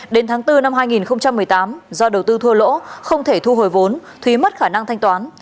đến tháng bốn năm hai nghìn một mươi tám do đầu tư thua lỗ không thể thu hồi vốn thúy mất khả năng thanh toán